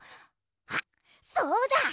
あっそうだ！